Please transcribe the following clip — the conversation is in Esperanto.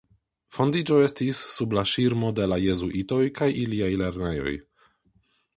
Fondiĝo estis sub la ŝirmo de la jezuitoj kaj iliaj lernejoj.